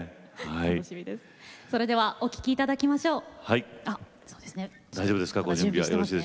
それではお聴きいただきましょう。